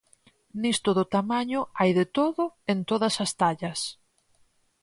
Nisto do tamaño hai de todo en todas as tallas.